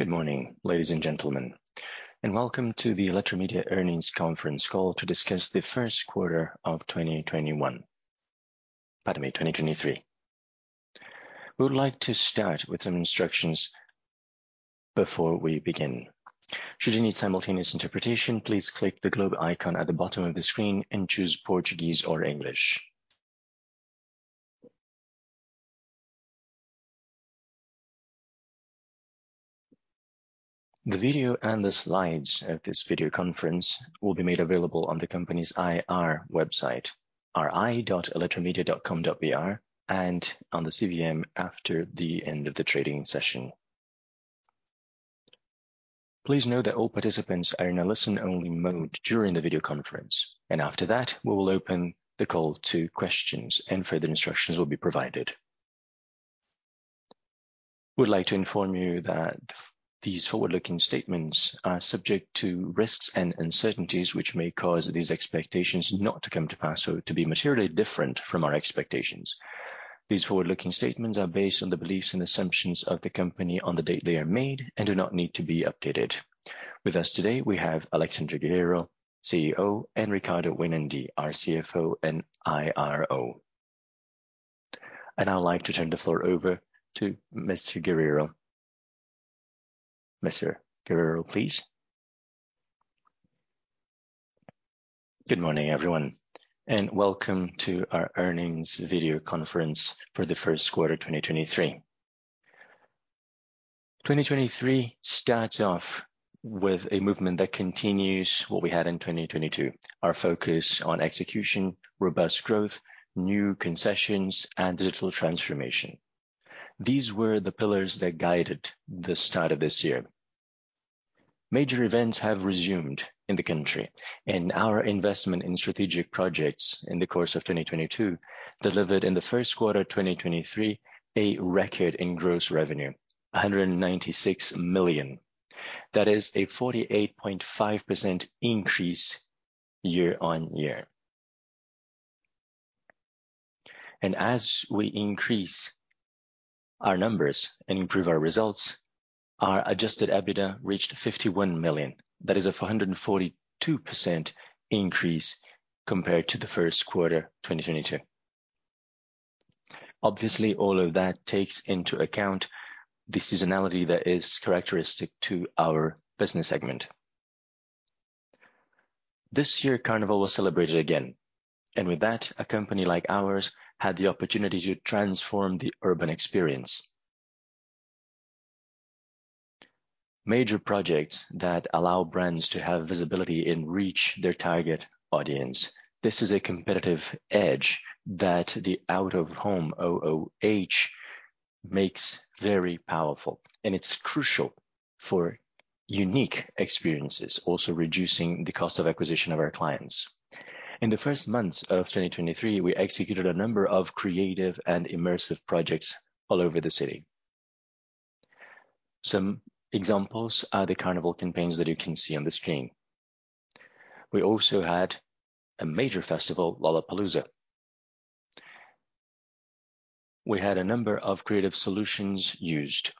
Good morning, ladies and gentlemen. Welcome to the Eletromidia earnings conference call to discuss the first quarter of 2021. Pardon me, 2023. We would like to start with some instructions before we begin. Should you need simultaneous interpretation, please click the globe icon at the bottom of the screen and choose Portuguese or English. The video and the slides of this video conference will be made available on the company's IR website, ri.eletromidia.com.br, and on the CVM after the end of the trading session. Please note that all participants are in a listen-only mode during the video conference, and after that we will open the call to questions and further instructions will be provided. We would like to inform you that these forward-looking statements are subject to risks and uncertainties which may cause these expectations not to come to pass or to be materially different from our expectations. These forward-looking statements are based on the beliefs and assumptions of the company on the date they are made and do not need to be updated. With us today we have Alexandre Guerrero, CEO, and Ricardo Winandy, our CFO and IRO. I'd like to turn the floor over to Mr. Guerrero. Mr. Guerrero, please. Good morning, everyone, and welcome to our earnings video conference for the first quarter 2023. 2023 starts off with a movement that continues what we had in 2022, our focus on execution, robust growth, new concessions, and digital transformation. These were the pillars that guided the start of this year. Major events have resumed in the country, our investment in strategic projects in the course of 2022 delivered in the first quarter 2023 a record in gross revenue, 196 million. That is a 48.5% increase year-over-year. As we increase our numbers and improve our results, our adjusted EBITDA reached 51 million. That is a 142% increase compared to the first quarter 2022. Obviously, all of that takes into account the seasonality that is characteristic to our business segment. This year, Carnival was celebrated again, and with that, a company like ours had the opportunity to transform the urban experience. Major projects that allow brands to have visibility and reach their target audience. This is a competitive edge that the out-of-home, OOH, makes very powerful, and it's crucial for unique experiences, also reducing the cost of acquisition of our clients. In the first months of 2023, we executed a number of creative and immersive projects all over the city. Some examples are the Carnival campaigns that you can see on the screen. We also had a major festival, Lollapalooza. We had a number of creative solutions used.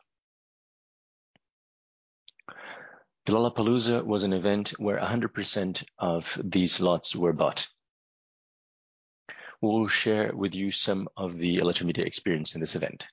The Lollapalooza was an event where 100% of these lots were bought. We'll share with you some of the Eletromidia experience in this event.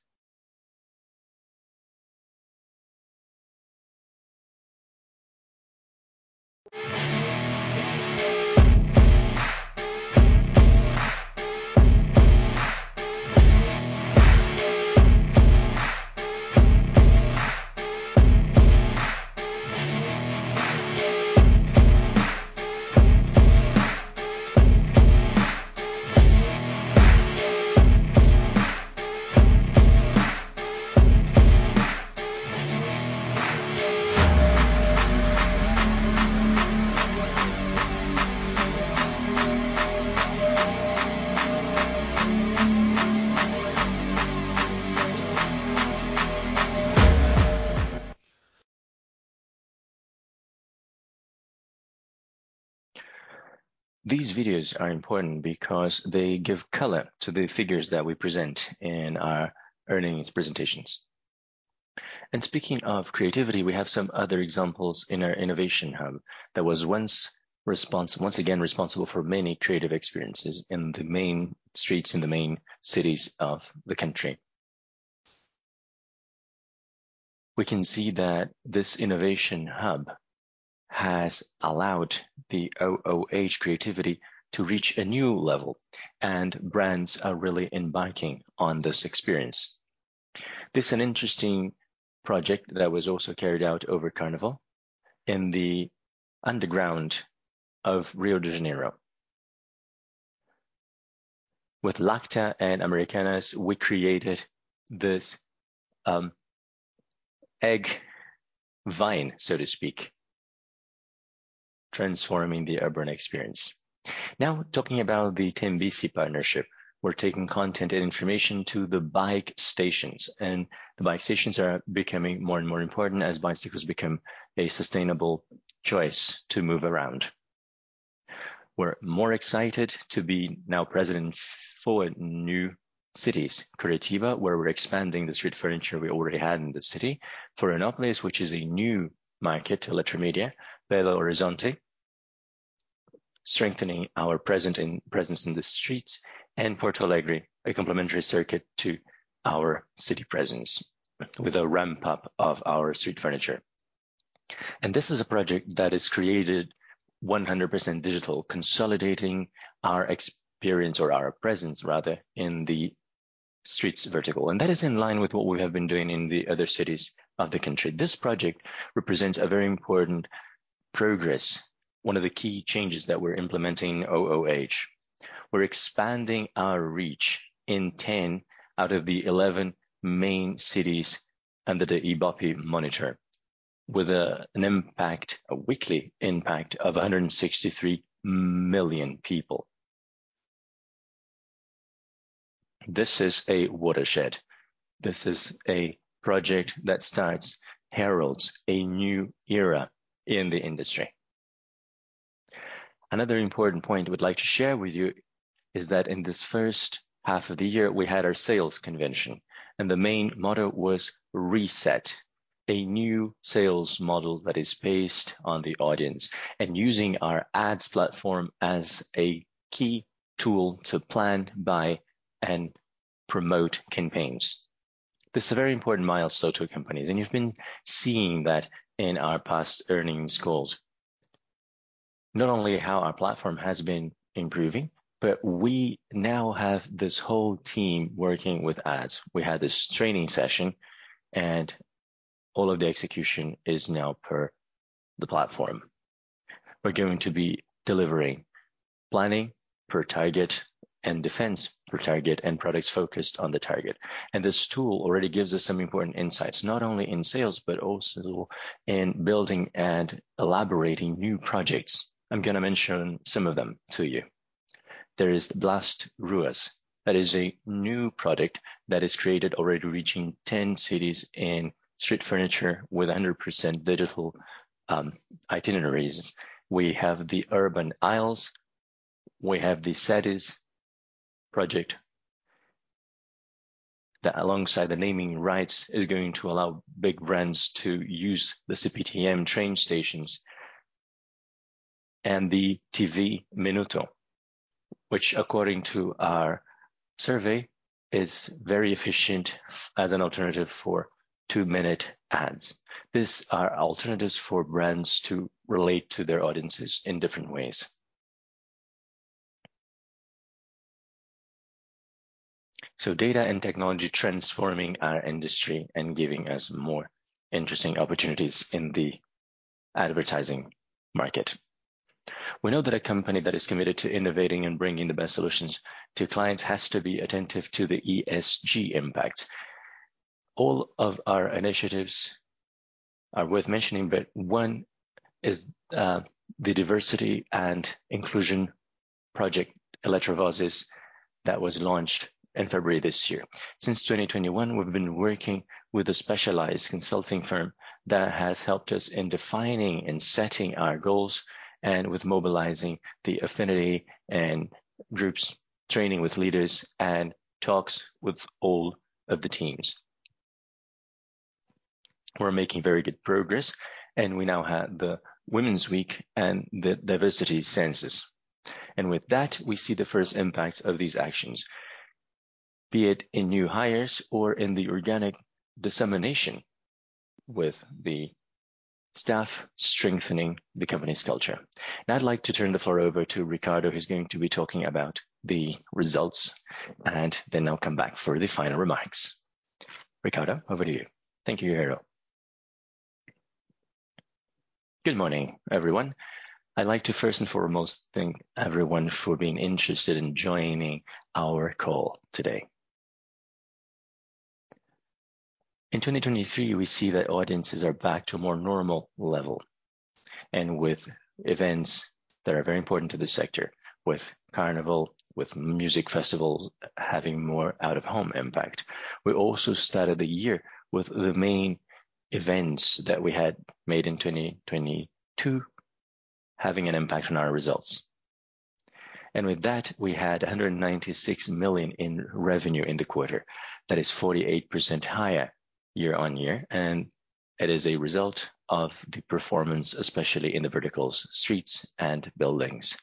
These videos are important because they give color to the figures that we present in our earnings presentations. Speaking of creativity, we have some other examples in our innovation hub that was once again responsible for many creative experiences in the main streets in the main cities of the country. We can see that this innovation hub has allowed the OOH creativity to reach a new level, and brands are really embarking on this experience. This is an interesting project that was also carried out over Carnival in the underground of Rio de Janeiro. With Lacta and Americanas, we created this egg vine, so to speak, transforming the urban experience. Talking about the Tembici partnership. We're taking content and information to the bike stations, and the bike stations are becoming more and more important as bicycles become a sustainable choice to move around. We're more excited to be now present in four new cities. Curitiba, where we're expanding the street furniture we already had in the city. Florianópolis, which is a new market to Eletromidia. Belo Horizonte, strengthening our presence in the streets. Porto Alegre, a complementary circuit to our city presence with a ramp up of our street furniture. This is a project that is created 100% digital, consolidating our experience, or our presence rather, in the streets vertical. That is in line with what we have been doing in the other cities of the country. This project represents a very important progress, one of the key changes that we're implementing in OOH. We're expanding our reach in 10 out of the 11 main cities under the Ibope monitor with an impact, a weekly impact of 163 million people. This is a watershed. This is a project that heralds a new era in the industry. Another important point we'd like to share with you is that in this first half of the year, we had our sales convention, and the main motto was reset. A new sales model that is based on the audience and using our ads platform as a key tool to plan, buy and promote campaigns. This is a very important milestone to our company, and you've been seeing that in our past earnings calls. Not only how our platform has been improving, but we now have this whole team working with ads. We had this training session, and all of the execution is now per the platform. We're going to be delivering planning per target and defense per target and products focused on the target. This tool already gives us some important insights, not only in sales but also in building and elaborating new projects. I'm gonna mention some of them to you. There is the Blast Ruas. That is a new product that is created already reaching 10 cities in street furniture with 100% digital itineraries. We have the Urban Isles. We have the Cities project, that alongside the naming rights is going to allow big brands to use the CPTM train stations, and the TV Minuto, which according to our survey is very efficient as an alternative for two-minute ads. These are alternatives for brands to relate to their audiences in different ways. Data and technology transforming our industry and giving us more interesting opportunities in the advertising market. We know that a company that is committed to innovating and bringing the best solutions to clients has to be attentive to the ESG impact. All of our initiatives are worth mentioning, but one is the diversity and inclusion project, Eletrovozes, that was launched in February this year. Since 2021, we've been working with a specialized consulting firm that has helped us in defining and setting our goals and with mobilizing the affinity and groups, training with leaders and talks with all of the teams. We're making very good progress, we now have the Women's Week and the diversity census. With that, we see the first impact of these actions, be it in new hires or in the organic dissemination with the staff strengthening the company's culture. Now I'd like to turn the floor over to Ricardo, who's going to be talking about the results, and then I'll come back for the final remarks. Ricardo, over to you. Thank you, Jairo. Good morning, everyone. I'd like to first and foremost thank everyone for being interested in joining our call today. In 2023, we see that audiences are back to a more normal level and with events that are very important to the sector, with carnival, with music festivals having more out-of-home impact. We also started the year with the main events that we had made in 2022 having an impact on our results. We had 196 million in revenue in the quarter. That is 48% higher year-over-year, and it is a result of the performance, especially in the verticals streets and buildings.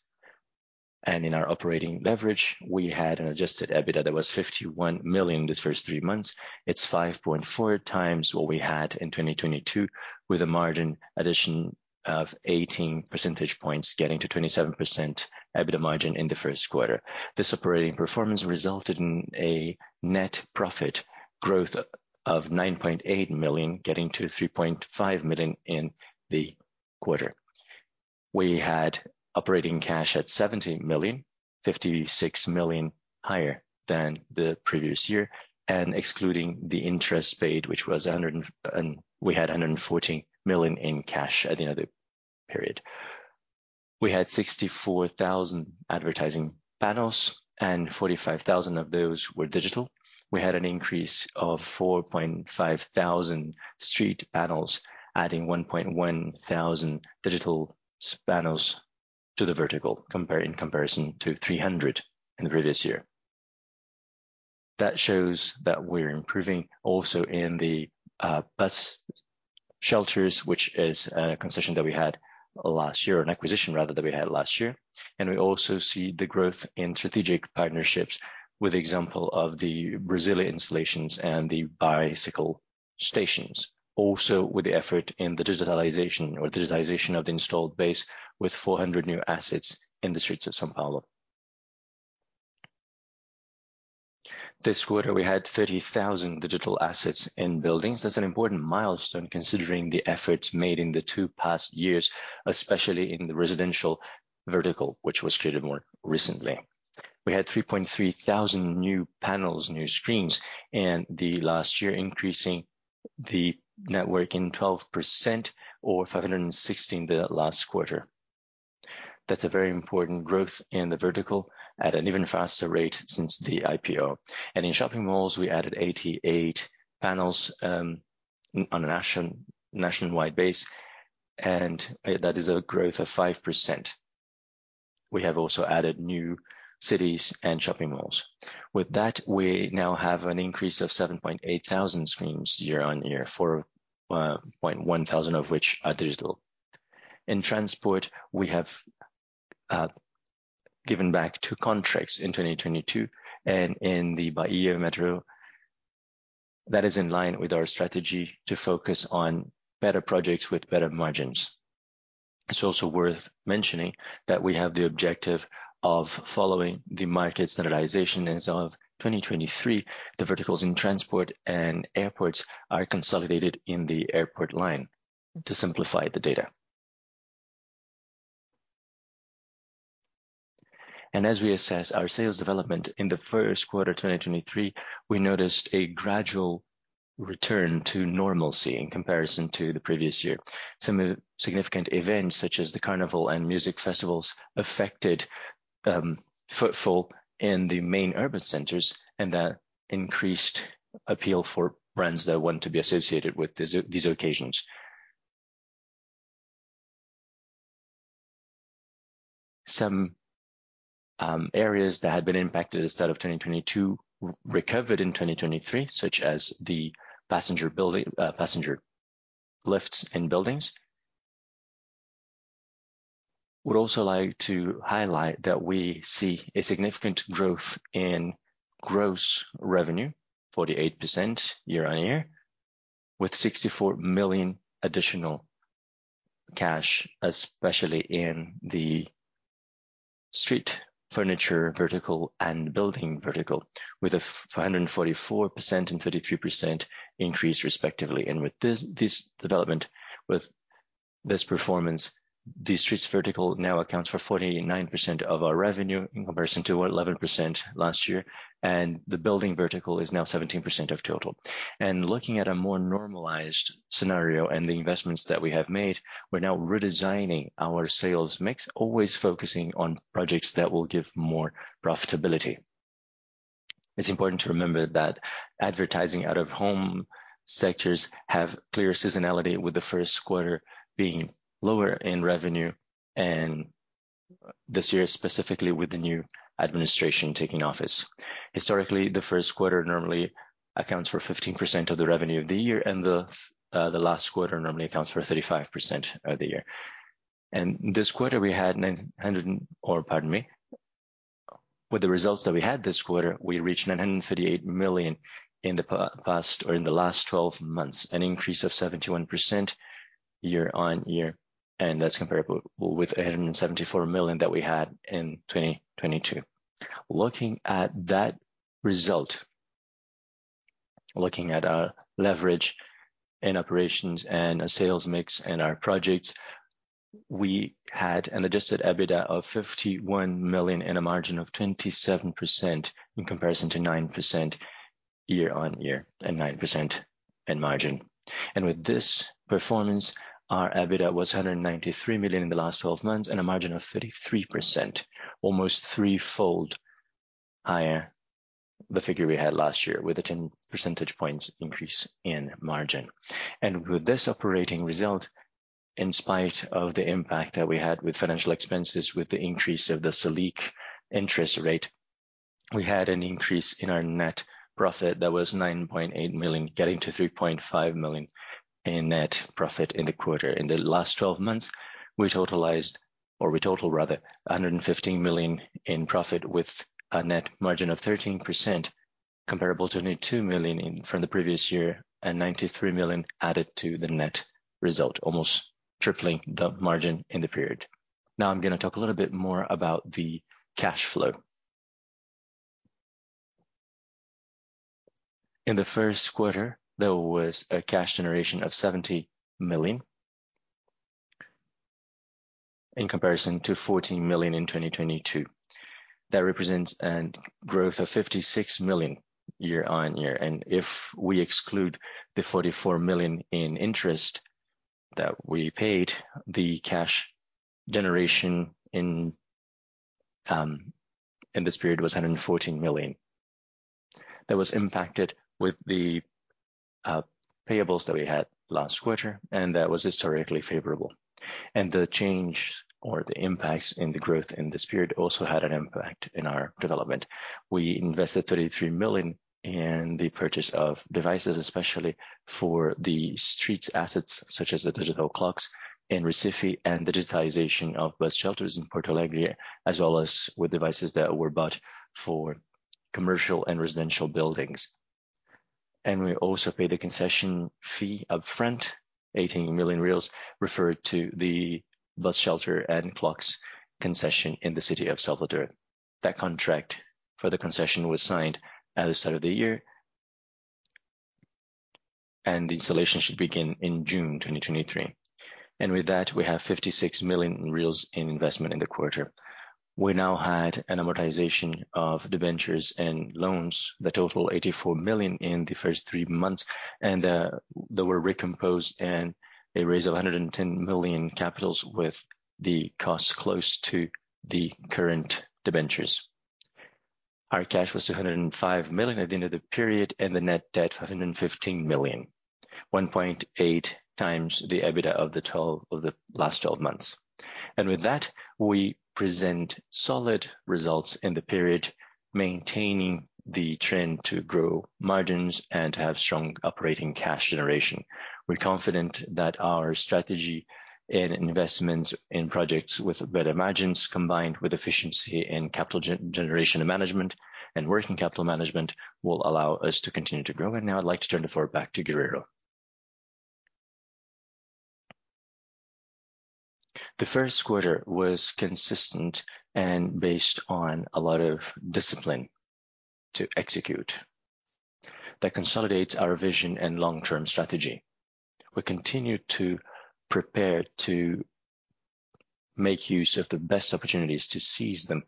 In our operating leverage we had an adjusted EBITDA that was 51 million this first three months. It's 5.4x what we had in 2022 with a margin addition of 18 percentage points, getting to 27% EBITDA margin in the first quarter. This operating performance resulted in a net profit growth of 9.8 million, getting to 3.5 million in the quarter. We had operating cash at 70 million, 56 million higher than the previous year. Excluding the interest paid, which was. We had 114 million in cash at the end of the period. We had 64,000 advertising panels, and 45,000 of those were digital. We had an increase of 4,500 street panels, adding 1,100 digital panels to the vertical in comparison to 300 in the previous year. That shows that we're improving also in the bus shelters, which is a concession that we had last year. An acquisition rather, that we had last year. We also see the growth in strategic partnerships with example of the Brazilian installations and the bicycle stations. Also with the effort in the digitalization or digitization of the installed base with 400 new assets in the streets of São Paulo. This quarter, we had 30,000 digital assets in buildings. That's an important milestone considering the efforts made in the two past years, especially in the residential vertical, which was created more recently. We had 3,300 new panels, new screens in the last year, increasing the network in 12% or 516 the last quarter. That's a very important growth in the vertical at an even faster rate since the IPO. In shopping malls, we added 88 panels on a nationwide base, that is a growth of 5%. We have also added new cities and shopping malls. With that, we now have an increase of 7,800 screens year-on-year, 4,100 of which are digital. In transport, we have given back two contracts in 2022, and in the Bahia Metro, that is in line with our strategy to focus on better projects with better margins. It's also worth mentioning that we have the objective of following the market standardization. As of 2023, the verticals in transport and airports are consolidated in the airport line to simplify the data. As we assess our sales development in the first quarter 2023, we noticed a gradual return to normalcy in comparison to the previous year. Some significant events such as the carnival and music festivals affected footfall in the main urban centers, and that increased appeal for brands that want to be associated with these occasions. Some areas that had been impacted as that of 2022 recovered in 2023, such as the passenger lifts in buildings. Would also like to highlight that we see a significant growth in gross revenue, 48% year-on-year, with BRL 64 million additional cash, especially in the street furniture vertical and building vertical, with a 144% and 33% increase, respectively. With this development, with this performance, the streets vertical now accounts for 49% of our revenue in comparison to 11% last year, and the building vertical is now 17% of total. Looking at a more normalized scenario and the investments that we have made, we're now redesigning our sales mix, always focusing on projects that will give more profitability. It's important to remember that advertising OOH sectors have clear seasonality with the first quarter being lower in revenue, and this year, specifically with the new administration taking office. Historically, the first quarter normally accounts for 15% of the revenue of the year, and the last quarter normally accounts for 35% of the year. This quarter, we had 900. Or pardon me. With the results that we had this quarter, we reached 938 million in the past or in the last 12 months, an increase of 71% year-on-year, and that's comparable with 874 million that we had in 2022. Looking at that result, looking at our leverage in operations and our sales mix and our projects, we had an adjusted EBITDA of 51 million and a margin of 27% in comparison to 9% year-on-year and 9% in margin. With this performance, our EBITDA was 193 million in the last 12 months and a margin of 33%, almost threefold higher the figure we had last year with a 10 percentage points increase in margin. With this operating result, in spite of the impact that we had with financial expenses, with the increase of the Selic interest rate, we had an increase in our net profit that was 9.8 million, getting to 3.5 million in net profit in the quarter. In the last 12 months, we total rather 115 million in profit with a net margin of 13% comparable to 92 million from the previous year and 93 million added to the net result, almost tripling the margin in the period. I'm gonna talk a little bit more about the cash flow. In the first quarter, there was a cash generation of 70 million in comparison to 14 million in 2022. That represents an growth of 56 million year-on-year. If we exclude the 44 million in interest that we paid, the cash generation in this period was 114 million. That was impacted with the payables that we had last quarter, and that was historically favorable. The change or the impacts in the growth in this period also had an impact in our development. We invested 33 million in the purchase of devices, especially for the streets assets such as the digital clocks in Recife and the digitization of bus shelters in Porto Alegre, as well as with devices that were bought for commercial and residential buildings. We also paid a concession fee upfront, 18 million reais, referred to the bus shelter and clocks concession in the city of Salvador. That contract for the concession was signed at the start of the year. The installation should begin in June 2023. With that, we have 56 million reais in investment in the quarter. We now had an amortization of debentures and loans that total 84 million in the 3 months, and they were recomposed and they raised 110 million capitals with the cost close to the current debentures. Our cash was 205 million at the end of the period, and the net debt, 515 million, 1.8 times the EBITDA of the last 12 months. With that, we present solid results in the period, maintaining the trend to grow margins and to have strong operating cash generation. We're confident that our strategy and investments in projects with better margins, combined with efficiency in capital generation management and working capital management, will allow us to continue to grow. Now I'd like to turn the floor back to Guerrero. The first quarter was consistent and based on a lot of discipline to execute that consolidates our vision and long-term strategy. We continue to prepare to make use of the best opportunities to seize them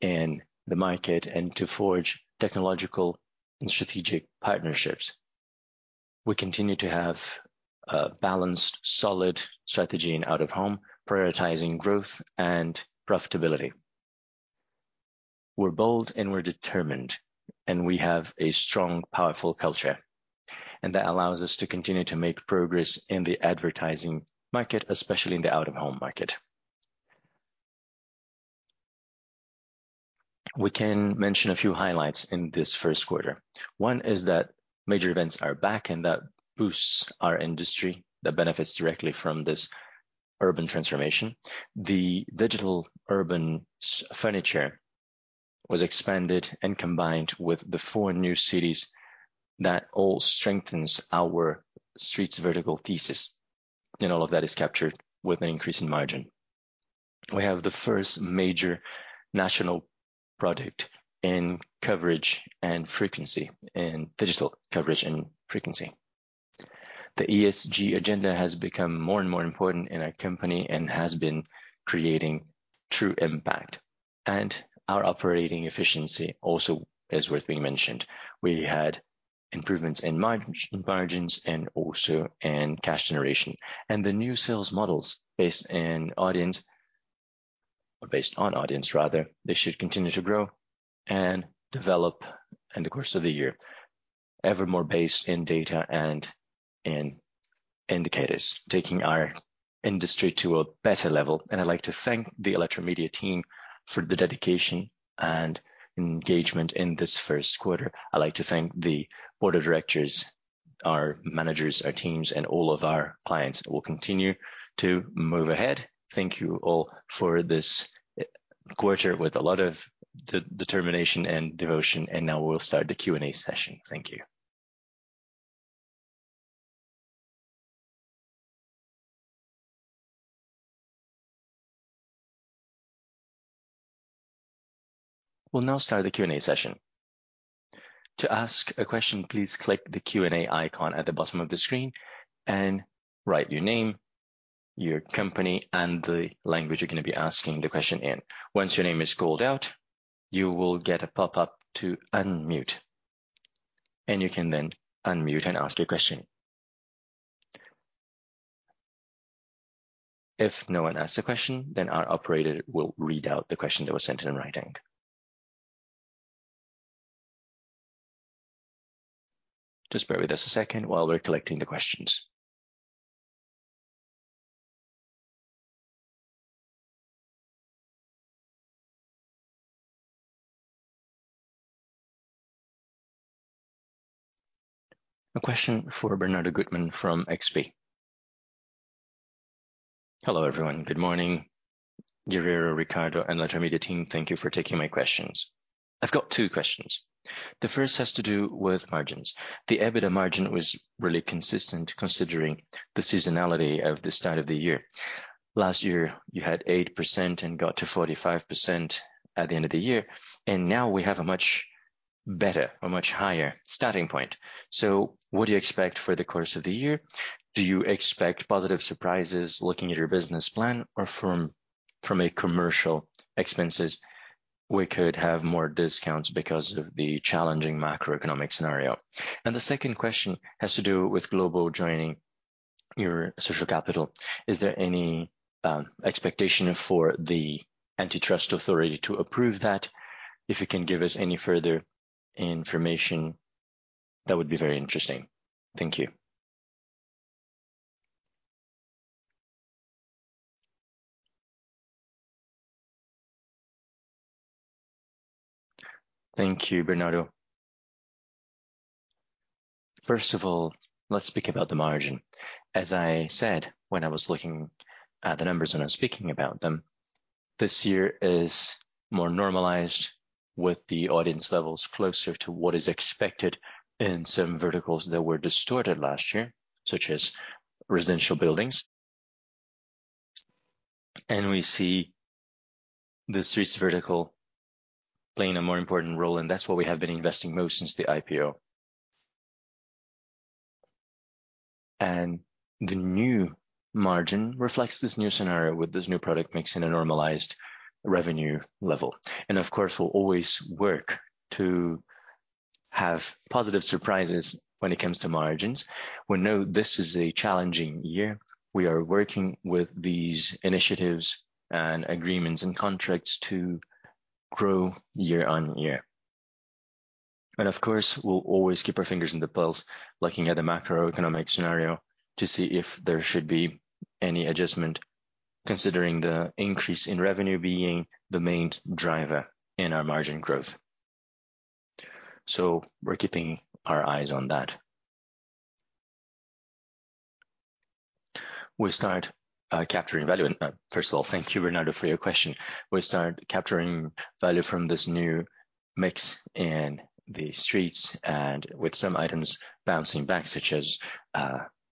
in the market and to forge technological and strategic partnerships. We continue to have a balanced, solid strategy in out-of-home, prioritizing growth and profitability. We're bold and we're determined, and we have a strong, powerful culture. That allows us to continue to make progress in the advertising market, especially in the out-of-home market. We can mention a few highlights in this first quarter. One is that major events are back, and that boosts our industry that benefits directly from this urban transformation. The digital urban furniture was expanded and combined with the four new Cities that all strengthens our streets vertical thesis. All of that is captured with an increase in margin. We have the first major national product in coverage and frequency, in digital coverage and frequency. The ESG agenda has become more and more important in our company and has been creating true impact. Our operating efficiency also is worth being mentioned. We had improvements in margins and also in cash generation. The new sales models based in audience. Based on audience rather, they should continue to grow and develop in the course of the year, ever more based in data and in indicators, taking our industry to a better level. I'd like to thank the Eletromidia team for the dedication and engagement in this first quarter. I'd like to thank the board of directors, our managers, our teams, and all of our clients. We'll continue to move ahead. Thank you all for this quarter with a lot of determination and devotion. Now we'll start the Q&A session. Thank you. We'll now start the Q&A session. To ask a question, please click the Q&A icon at the bottom of the screen and write your name, your company, and the language you're gonna be asking the question in. Once your name is called out, you will get a pop-up to unmute. You can then unmute and ask your question. If no one asks a question, our operator will read out the question that was sent in in writing. Just bear with us a second while we're collecting the questions. A question for Bernardo Guttmann from XP. Hello, everyone. Good morning. Guerrero, Ricardo, and Eletromidia team, thank you for taking my questions. I've got two questions. The first has to do with margins. The EBITDA margin was really consistent considering the seasonality of the start of the year. Last year, you had 8% and got to 45% at the end of the year, and now we have a much better or much higher starting point. What do you expect for the course of the year? Do you expect positive surprises looking at your business plan or from a commercial expenses, we could have more discounts because of the challenging macroeconomic scenario? The second question has to do with Grupo Globo joining your social capital. Is there any expectation for the antitrust authority to approve that? If you can give us any further information, that would be very interesting. Thank you. Thank you, Bernardo. First of all, let's speak about the margin. As I said when I was looking at the numbers when I was speaking about them, this year is more normalized with the audience levels closer to what is expected in some verticals that were distorted last year, such as residential buildings. We see the streets vertical playing a more important role, and that's what we have been investing most since the IPO. The new margin reflects this new scenario with this new product mix in a normalized revenue level. Of course, we'll always work to have positive surprises when it comes to margins. We know this is a challenging year. We are working with these initiatives and agreements and contracts to grow year-on-year. Of course, we'll always keep our fingers in the pulse looking at the macroeconomic scenario to see if there should be any adjustment considering the increase in revenue being the main driver in our margin growth. We're keeping our eyes on that. First of all, thank you, Bernardo, for your question. We start capturing value from this new mix in the streets and with some items bouncing back, such as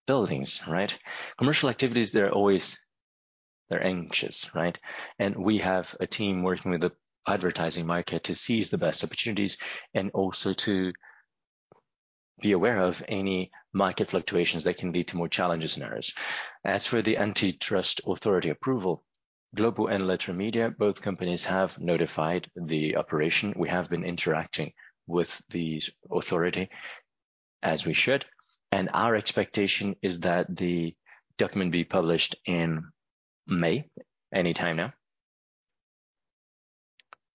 buildings, right? Commercial activities, they're anxious, right? We have a team working with the advertising market to seize the best opportunities and also to be aware of any market fluctuations that can lead to more challenges in ours. As for the antitrust authority approval, Globo and Eletromidia, both companies have notified the operation. We have been interacting with the authority as we should, and our expectation is that the document be published in May, anytime now.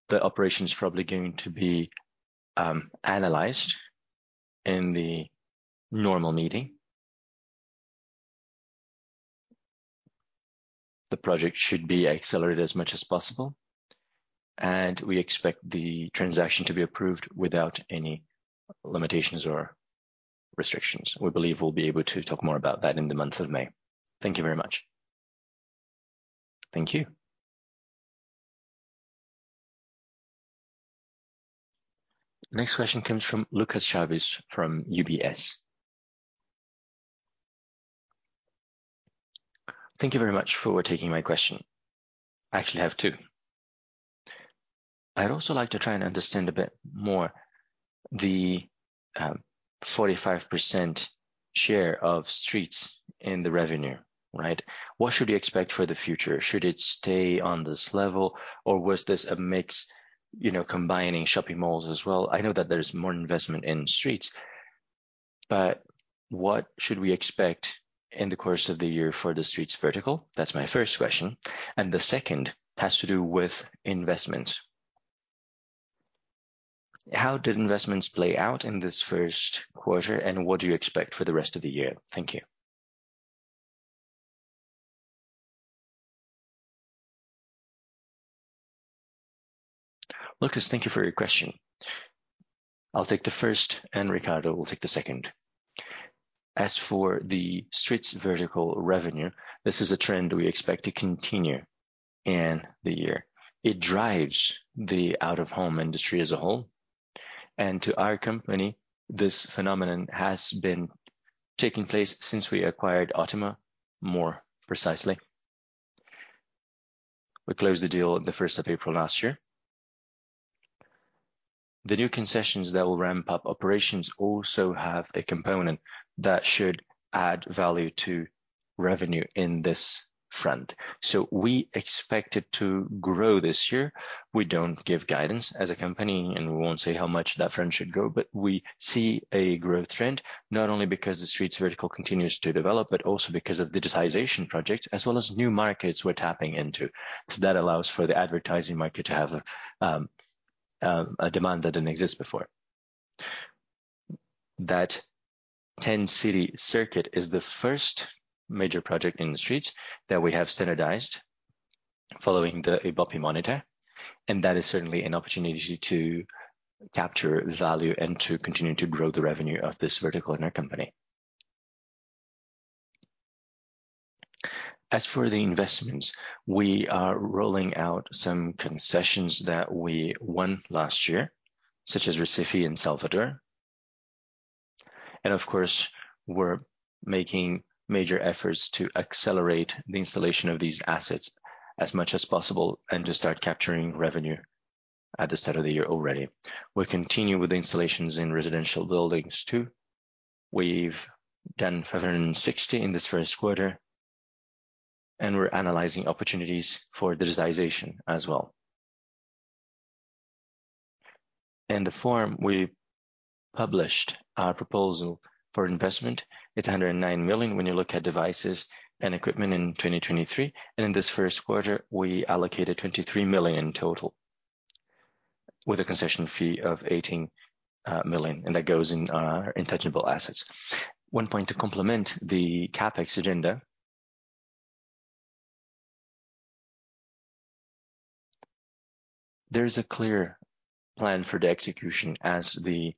The operation is probably going to be analyzed in the normal meeting. The project should be accelerated as much as possible, and we expect the transaction to be approved without any limitations or restrictions. We believe we'll be able to talk more about that in the month of May. Thank you very much. Thank you. Next question comes from Lucas Chaves from UBS. Thank you very much for taking my question. I actually have two. I'd also like to try and understand a bit more the 45% share of streets in the revenue, right? What should we expect for the future? Should it stay on this level, or was this a mix, you know, combining shopping malls as well? I know that there's more investment in streets. What should we expect in the course of the year for the streets vertical? That's my first question. The second has to do with investment. How did investments play out in this first quarter, and what do you expect for the rest of the year? Thank you. Lucas, thank you for your question. I'll take the first, and Ricardo will take the second. As for the streets vertical revenue, this is a trend we expect to continue in the year. It drives the out-of-home industry as a whole. To our company, this phenomenon has been taking place since we acquired Otima, more precisely. We closed the deal the first of April last year. The new concessions that will ramp up operations also have a component that should add value to revenue in this front. We expect it to grow this year. We don't give guidance as a company, and we won't say how much that front should go, but we see a growth trend, not only because the streets vertical continues to develop, but also because of digitization projects as well as new markets we're tapping into. That allows for the advertising market to have a demand that didn't exist before. That 10-city circuit is the first major project in the streets that we have standardized following the IBOPE monitor, and that is certainly an opportunity to capture value and to continue to grow the revenue of this vertical in our company. As for the investments, we are rolling out some concessions that we won last year, such as Recife and Salvador. Of course, we're making major efforts to accelerate the installation of these assets as much as possible and to start capturing revenue at the start of the year already. We continue with the installations in residential buildings too. We've done 560 in this first quarter. We're analyzing opportunities for digitization as well. In the form we published our proposal for investment, it's 109 million when you look at devices and equipment in 2023. In this first quarter, we allocated 23 million in total with a concession fee of 18 million that goes in intangible assets. One point to complement the CapEx agenda. There's a clear plan for the execution as the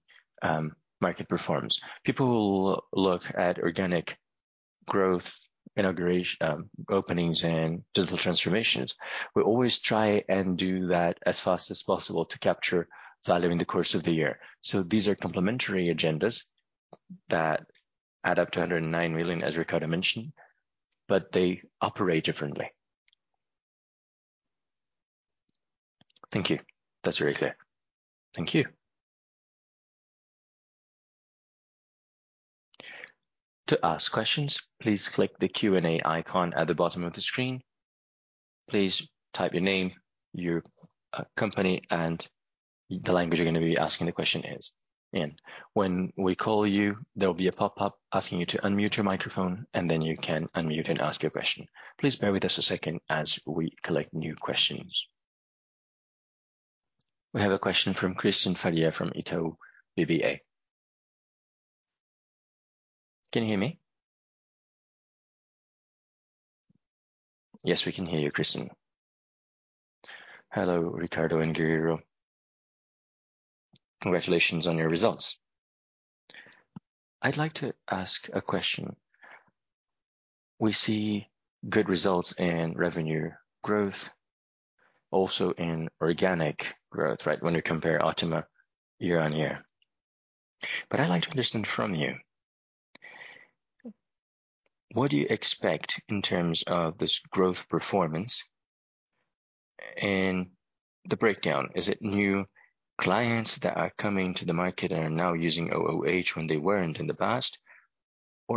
market performs. People will look at organic growth, openings and digital transformations. We always try and do that as fast as possible to capture value in the course of the year. These are complementary agendas that add up to 109 million, as Ricardo mentioned. They operate differently. Thank you. That's very clear. Thank you. To ask questions, please click the Q&A icon at the bottom of the screen. Please type your name, your company, and the language you're gonna be asking the question is in. When we call you, there will be a pop-up asking you to unmute your microphone. Then you can unmute and ask your question. Please bear with us a second as we collect new questions. We have a question from Cristian Faria from Itaú BBA. Can you hear me? Yes, we can hear you, Cristian. Hello, Ricardo and Guerrero. Congratulations on your results. I'd like to ask a question. We see good results in revenue growth, also in organic growth, right? When you compare Otima year-on-year. I'd like to understand from you, what do you expect in terms of this growth performance and the breakdown? Is it new clients that are coming to the market and are now using OOH when they weren't in the past?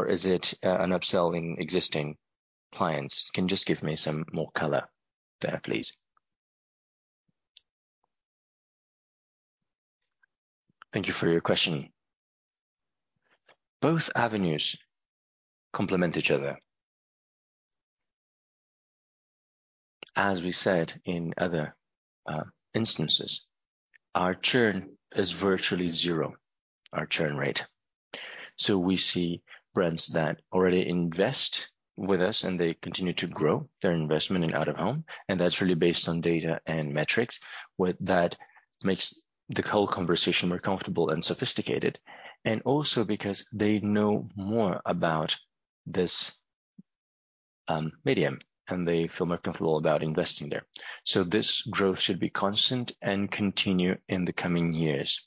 Is it an upsell in existing clients? Can you just give me some more color there, please? Thank you for your question. Both avenues complement each other. As we said in other instances, our return is virtually zero, our return rate. We see brands that already invest with us, and they continue to grow their investment in out-of-home, and that's really based on data and metrics. With that makes the whole conversation more comfortable and sophisticated, and also because they know more about this medium, and they feel more comfortable about investing there. This growth should be constant and continue in the coming years.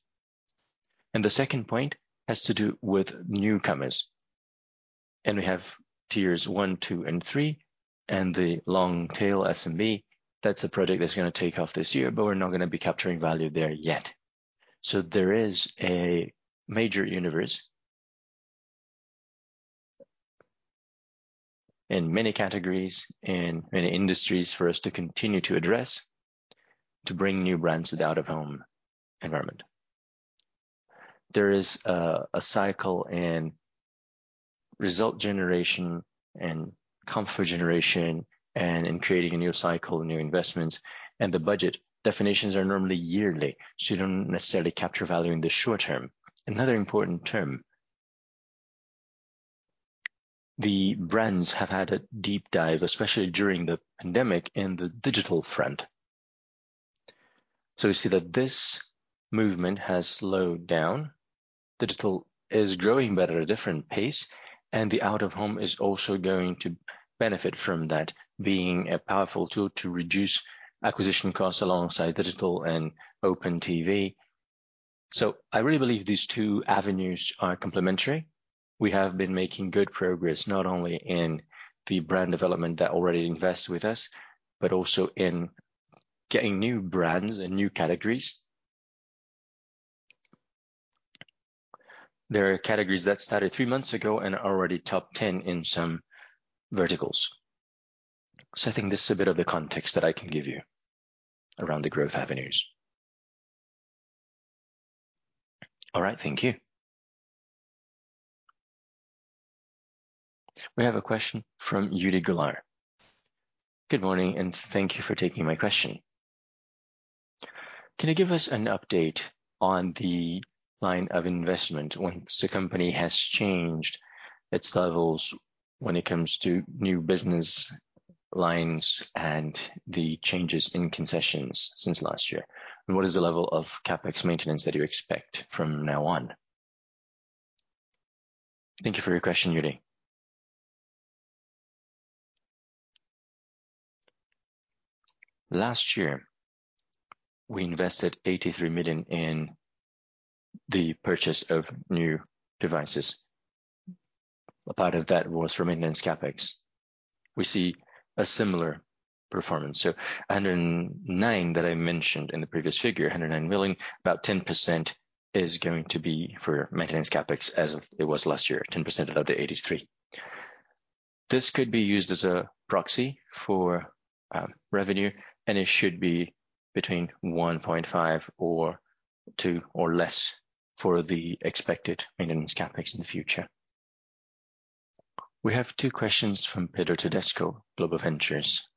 The second point has to do with newcomers. We have tiers one, two, and three, and the long-tail SMB. That's a project that's going to take off this year, but we're not going to be capturing value there yet. There is a major universe in many categories and many industries for us to continue to address, to bring new brands to the out-of-home environment. There is a cycle in result generation and comfort generation and in creating a new cycle, new investments, and the budget definitions are normally yearly, so you don't necessarily capture value in the short term. Another important term, the brands have had a deep dive, especially during the pandemic in the digital front. We see that this movement has slowed down. Digital is growing but at a different pace, and the out-of-home is also going to benefit from that being a powerful tool to reduce acquisition costs alongside digital and open TV. I really believe these two avenues are complementary. We have been making good progress not only in the brand development that already invests with us, but also in getting new brands and new categories. There are categories that started three months ago and are already top 10 in some verticals. I think this is a bit of the context that I can give you around the growth avenues. All right. Thank you. We have a question from Yuri Golar. Good morning, and thank you for taking my question. Can you give us an update on the line of investment once the company has changed its levels when it comes to new business lines and the changes in concessions since last year? What is the level of CapEx maintenance that you expect from now on? Thank you for your question, Yuri. Last year, we invested 83 million in the purchase of new devices. A part of that was from maintenance CapEx. We see a similar performance. Hundred and nine that I mentioned in the previous figure, 109 million, about 10% is going to be for maintenance CapEx as it was last year, 10% out of the 83. This could be used as a proxy for revenue, and it should be between 1.5 or 2 or less for the expected maintenance CapEx in the future. We have two questions from Peter Tedesco, Global Ventures.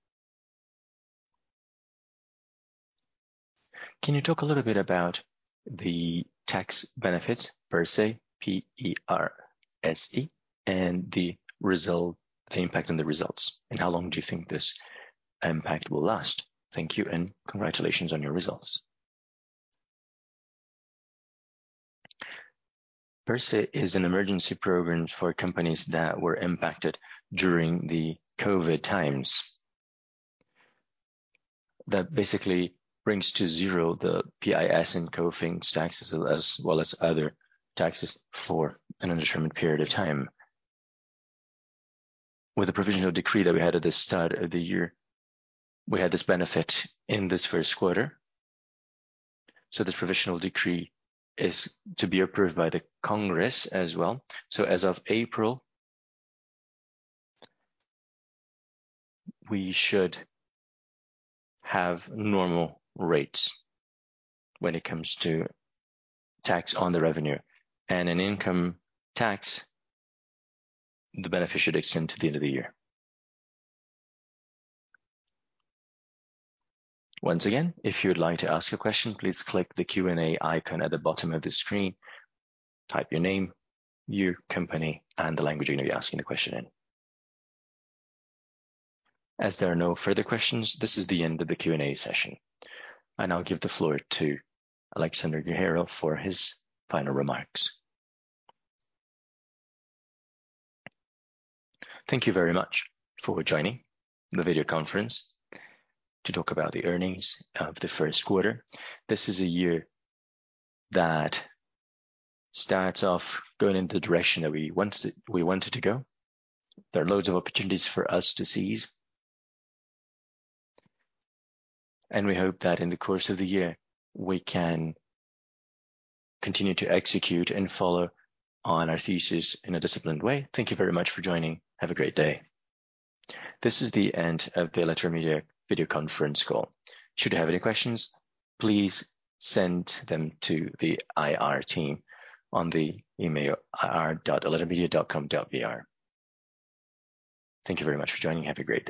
Can you talk a little bit about the tax benefits, PERSE, P-E-R-S-E, and the impact on the results, and how long do you think this impact will last? Thank you. Congratulations on your results. PERSE is an emergency program for companies that were impacted during the COVID times. Basically brings to zero the PIS and COFINS taxes as well as other taxes for an undetermined period of time. With the provisional decree that we had at the start of the year, we had this benefit in this first quarter. This provisional decree is to be approved by the Congress as well. As of April, we should have normal rates when it comes to tax on the revenue. In income tax, the benefit should extend to the end of the year. Once again, if you would like to ask a question, please click the Q&A icon at the bottom of the screen, type your name, your company, and the language you're going to be asking the question in. There are no further questions, this is the end of the Q&A session. I now give the floor to Alexandre Guerrero for his final remarks. Thank you very much for joining the video conference to talk about the earnings of the first quarter. This is a year that starts off going in the direction that we wanted to go. There are loads of opportunities for us to seize. We hope that in the course of the year, we can continue to execute and follow on our thesis in a disciplined way. Thank you very much for joining. Have a great day. This is the end of the Eletromidia video conference call. Should you have any questions, please send them to the IR team on the email ri.eletromidia.com.br. Thank you very much for joining. Have a great day.